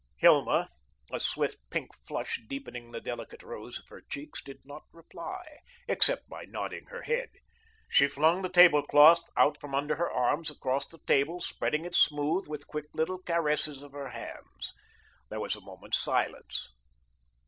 Hilma, a swift, pink flush deepening the delicate rose of her cheeks, did not reply, except by nodding her head. She flung the table cloth out from under her arms across the table, spreading it smooth, with quick little caresses of her hands. There was a moment's silence.